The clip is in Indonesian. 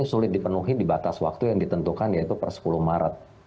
sulit dipenuhi di batas waktu yang ditentukan yaitu per sepuluh maret